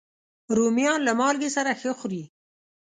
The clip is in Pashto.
رومیان له مالګې سره ښه خوري